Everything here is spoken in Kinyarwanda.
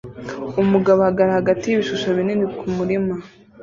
Umugabo ahagarara hagati yibishusho binini kumurima